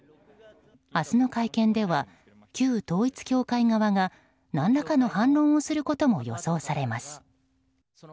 明日の会見では旧統一教会側が何らかの反論をすることも予想されます。